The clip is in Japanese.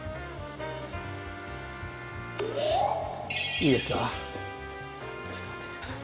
いいですか？